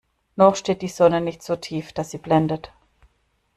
Noch steht die Sonne nicht so tief, dass sie blendet.